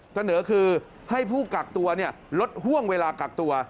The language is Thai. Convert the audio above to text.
เสนอคือให้ผู้กักตัวลดห่วงเวลากักตัว